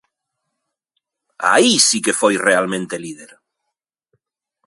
¡Aí si que foi realmente líder!